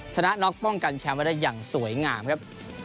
ชนะน็อกป้องกันแชมป์ไว้ได้อย่างสวยงามครับ